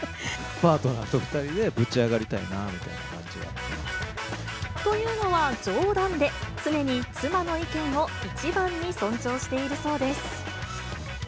パートナーと２人で、というのは冗談で、常に妻の意見を一番に尊重しているそうです。